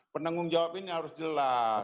penanggung jawab ini harus jelas